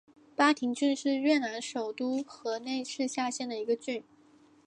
巴亭郡是越南首都河内市下辖的一个郡。